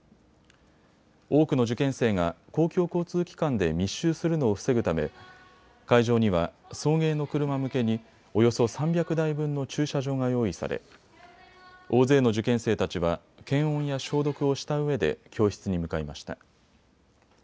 多くの受験生が公共交通機関で密集するのを防ぐため会場には送迎の車向けにおよそ３００台分の駐車場が用意され大勢の受験生たちは検温や消毒をしたうえで教室に向かいました。